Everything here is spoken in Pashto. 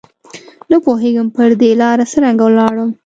نه پوهېږم پر دې لاره څرنګه ولاړم